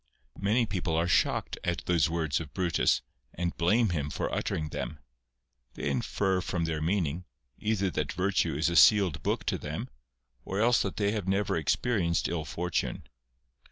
Many people are shocked at those words of Brutus, and blame him for uttering them. They infer from their meaning, either that virtue is a sealed book to them, or else that they have never experienced ill fortune.